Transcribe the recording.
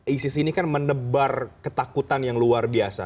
isis ini kan menebar ketakutan yang luar biasa